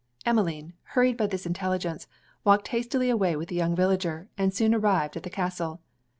Emmeline, hurried by this intelligence, walked hastily away with the young villager, and soon arrived at the castle.